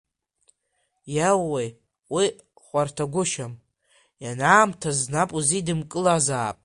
Иаууеи, уи хуарҭагушьам, ианаамҭаз нап узидымкылазаап!